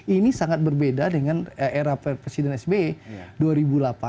ini sangat berbeda dengan era presiden sbi